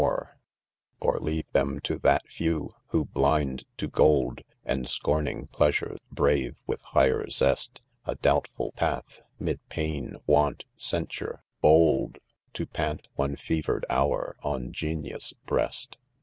more* Or leave: them to tkaifew^whf) blind to gold, Jlnd scorning pleasure, brave with higher zest A doubtful path 5 mid pain, want, censure, hold—* To pant onefeirered hour, on Genius 3 .breast.